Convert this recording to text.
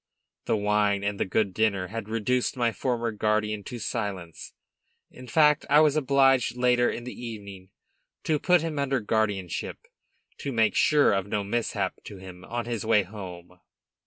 The wine and the good dinner had reduced my former guardian to silence; in fact I was obliged later in the evening to put him under guardianship, to make sure of no mishap to him on his way home.